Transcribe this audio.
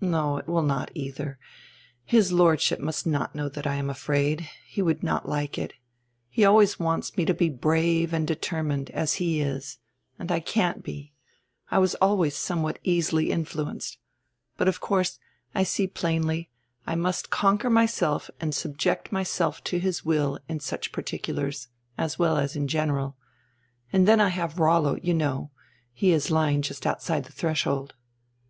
No, it will not, either. His Lordship must not know drat I am afraid, he would not like it. He always wants nre to be brave and deter mined, as he is. And I can't be. I was always somewhat easily influenced. — But, of course, I see plainly, I nrust conquer myself and subject myself to his will in such par ticulars, as well as in general. And then I have Rollo, you know. He is lying just outside the threshold."